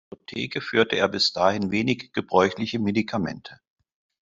In seiner Apotheke führte er bis dahin wenig gebräuchliche Medikamente.